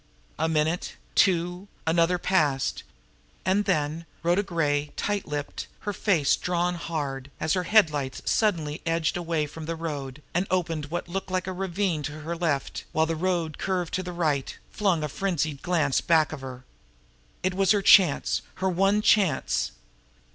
A minute, two, another passed. And then Rhoda Gray, tight lipped, her face drawn hard, as her own headlights suddenly edged away from the road and opened what looked like a deep ravine on her left, while the road curved to the right, flung a frenzied glance back of her. It was her chance her one chance.